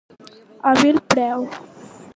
A vil preu.